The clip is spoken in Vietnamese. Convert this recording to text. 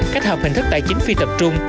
cách hợp hình thức tài chính phi tập trung